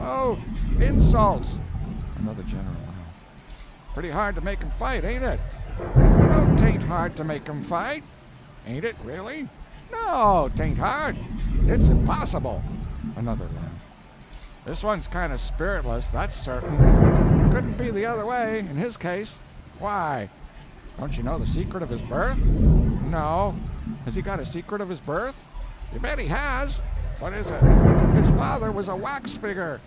"Oh, insults." Another general laugh. "Pretty hard to make 'em fight, ain't it?" "No, taint hard to make 'em fight." "Ain't it, really?" "No, taint hard. It's impossible." Another laugh. "This one's kind of spiritless, that's certain." "Couldn't be the other way—in his case." "Why?" "Don't you know the secret of his birth?" "No! has he got a secret of his birth?" "You bet he has." "What is it?" "His father was a wax figger."